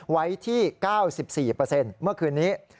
ไว้ที่๙๔เมื่อคืนนี้